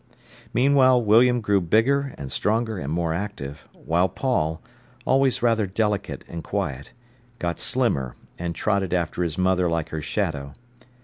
Meanwhile William grew bigger and stronger and more active, while Paul, always rather delicate and quiet, got slimmer, and trotted after his mother like her shadow.